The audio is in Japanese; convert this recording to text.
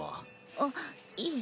あっいえ。